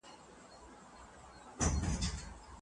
موخې د افرادو او ټولنې تر منځ اړیکه قوي کوي.